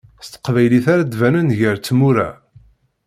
S teqbaylit ara d-banen gar tmura.